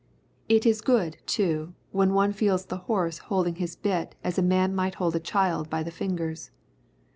It is good, too, when one feels the horse holding his bit as a man might hold a child by the fingers.